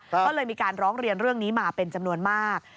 ก็เลยมีการร้องเรียนเรื่องนี้มาเป็นจำนวนมาก